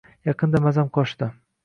- Yaqinda mazam qochdi.